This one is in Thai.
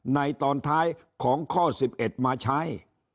ในตอนท้ายของข้อสิบเอ็ดมาใช้